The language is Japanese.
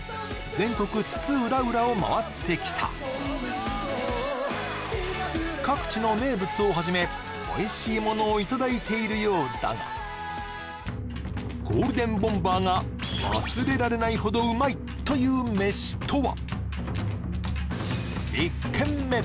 全国津々浦々を回ってきたをはじめおいしいものをいただいているようだがゴールデンボンバーが忘れられないほどうまいというメシとは？